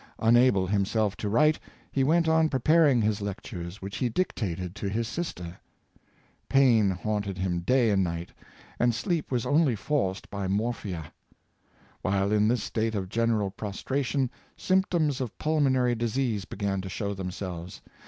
Unable himself to write, he went on preparing his lectures, which he dictated to his sister. Pain haunt ed him day and night, and sleep was only forced by morphia. While in this state of general prostration, symptoms of pulmonary disease began to show them His Unwearying' Industry, 505 selves.